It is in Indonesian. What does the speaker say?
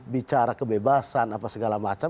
bicara kebebasan apa segala macam